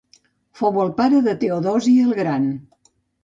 Fou el pare de Teodosi el Gran.